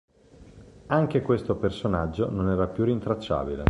Anche questo personaggio non era più rintracciabile.